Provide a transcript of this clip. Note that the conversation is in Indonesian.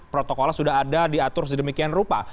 protokolnya sudah ada diatur sedemikian rupa